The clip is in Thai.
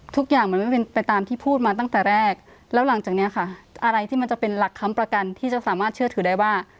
ทุกอย่างมันไม่เป็นไปตามที่พูดมาตั้งแต่แรกแล้วหลังจากเนี้ยค่ะอะไรที่มันจะเป็นหลักค้ำประกันที่จะสามารถเชื่อถือได้ว่า